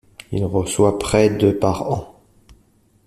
Il reçoit près de par an.